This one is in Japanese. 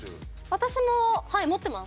私もはい持ってます。